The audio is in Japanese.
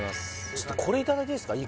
ちょっとこれいただいていいですか？